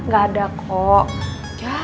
gak ada kok